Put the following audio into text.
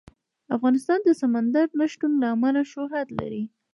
افغانستان د سمندر نه شتون له امله شهرت لري.